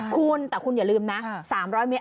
คุณแต่คุณอย่าลืมนะ๓๐๐เมตร